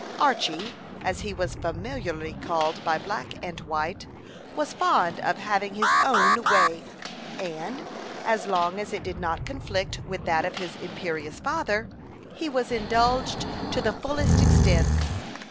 Archy, as he was familiarly called by black and white, was fond of having his own way; and, as long as it did not conflict with that of his imperious father, he was indulged to the fullest extent.